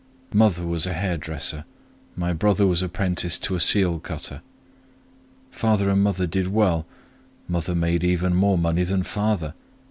Mother was a hairdresser. My brother was apprenticed to a seal cutter. "Father and mother did well: mother made even more money than father.